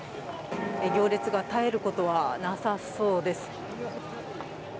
行列が絶えることはなさそうです。